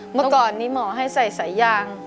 เมื่อก่อนนี้หมอให้ใส่สายยาง